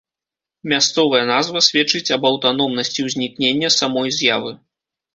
Мясцовая назва сведчыць аб аўтаномнасці ўзнікнення самой з'явы.